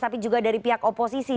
tapi juga dari pihak oposisi